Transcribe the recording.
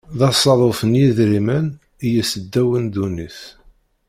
D asaḍuf n yidrimen i yesseddawen ddunit.